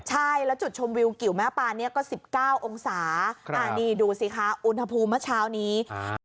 ใช่แล้วจุดชมวิวกิวแม่ปานเนี่ยก็๑๙องศานี่ดูสิคะอุณหภูมิเมื่อเช้านี้